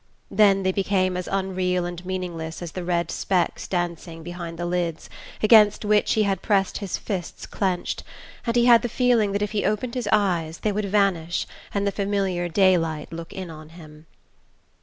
Then they became as unreal and meaningless as the red specks dancing behind the lids against which he had pressed his fists clenched, and he had the feeling that if he opened his eyes they would vanish, and the familiar daylight look in on him....